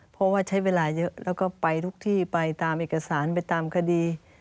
เพราะว่าใช้เวลาเยอะแล้วก็ไปทุกที่ไปตามเอกสารไปตามคดี